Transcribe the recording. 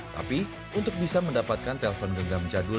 tapi untuk bisa mendapatkan telpon genggam jadul